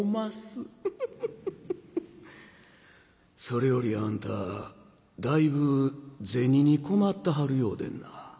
それよりあんただいぶ銭に困ってはるようでんな。